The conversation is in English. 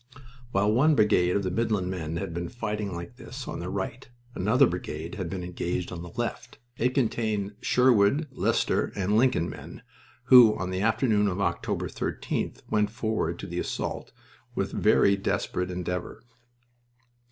While one brigade of the Midland men had been fighting like this on the right, another brigade had been engaged on the left. It contained Sherwood, Leicester, and Lincoln men, who, on the afternoon of October 13th, went forward to the assault with very desperate endeavor.